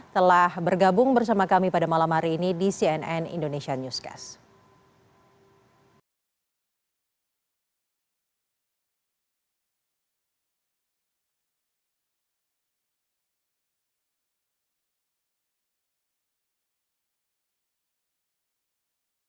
telah bergabung bersama kami pada malam hari ini di cnn indonesia newscast